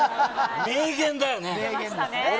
名言だよね。